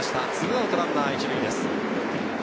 ２アウトランナー１塁です。